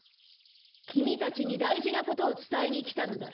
きみたちにだいじなことをつたえにきたんだ。